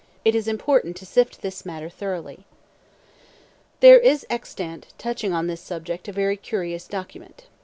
It is important to sift this matter thoroughly. There is extant, touching this subject, a very curious document.